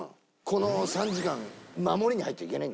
この３時間守りに入っちゃいけない。